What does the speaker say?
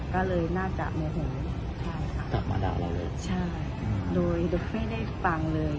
ก็เลยน่าจะเห็นจับมาด่าเราเลยด้วยไม่ได้ฟังเลย